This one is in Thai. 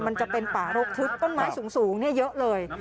มันจะเป็นป่าโรคทุศต้นไม้สูงสูงเนี่ยเยอะเลย